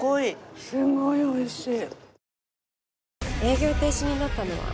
すごい美味しい！